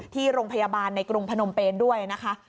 ที่โรงพยาบาลในกรุงพนมเปนด้วยนะคะ